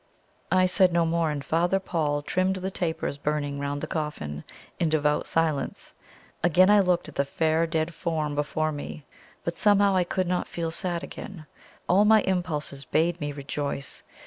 I said no more, and Father Paul trimmed the tapers burning round the coffin in devout silence. Again I looked at the fair dead form before me; but somehow I could not feel sad again. All my impulses bade me rejoice.